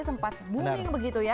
sempat booming begitu ya